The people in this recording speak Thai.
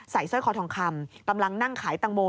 ใส่สวยค้อทองคำตำรังนั่งขายตังโม